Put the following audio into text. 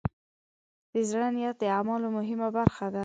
د زړۀ نیت د اعمالو مهمه برخه ده.